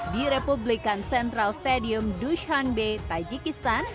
di republikan central stadium dushanbe tajikistan